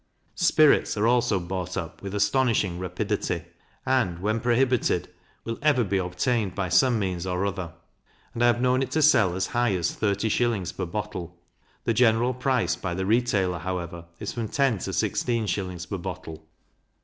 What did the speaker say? Spirits are also bought up with astonishing rapidity; and, when prohibited, will ever be obtained by some means or other, and I have known it to sell as high as thirty shillings per bottle; the general price by the retailer, however, is from ten to sixteen shillings per bottle.